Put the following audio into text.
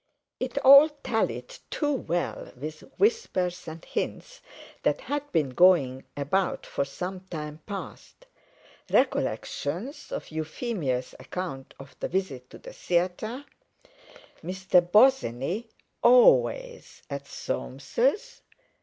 It all tallied too well with whispers and hints that had been going about for some time past. Recollections of Euphemia's account of the visit to the theatre—Mr. Bosinney always at Soames's?